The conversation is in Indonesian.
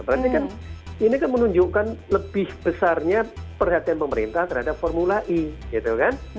berarti kan ini kan menunjukkan lebih besarnya perhatian pemerintah terhadap formula e gitu kan